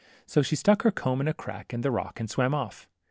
So she stuck her comb in a crack in the rock, and swam off.